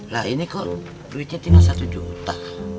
lah ini kok duitnya tinggal satu juta